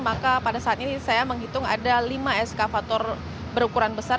maka pada saat ini saya menghitung ada lima eskavator berukuran besar